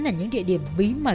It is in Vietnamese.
ở những địa điểm bí mật